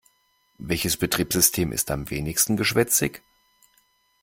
Welches Betriebssystem ist am wenigsten geschwätzig?